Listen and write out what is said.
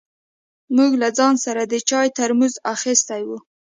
موږ له ځان سره د چای ترموز اخيستی و.